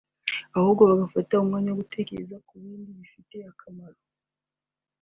ahubwo bagafata umwanya wo gutekereza ku bindi bifite akamaro